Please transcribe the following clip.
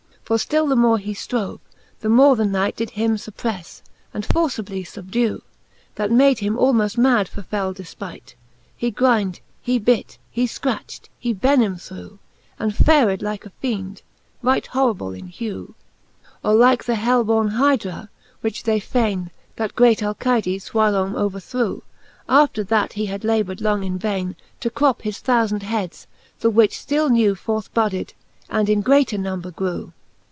For ftill the more he ftrove, the more the Kiiight Did him fupprefTe, and forcibly fubdew ; That made him almoft mad for fell defpight. He grind, he bit, he fcratcht, he venim threw. And fared like a feend, right horrible in hew. XXXII. Or like the hell borne Hydra, which they faine The great Alcides whilome overthrew, • After that he had labourd long in vaine, To crop his thoufand heads, the which ftill new \ Forth budded, and in greater number grew.